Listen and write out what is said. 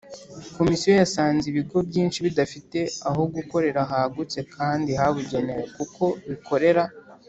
Komisiyo yasanze ibigo byinshi bidafite aho gukorera hagutse kandi habugenewe kuko bikorera